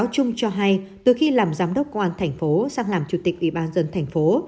trung cho hay từ khi làm giám đốc công an thành phố sang làm chủ tịch ủy ban dân thành phố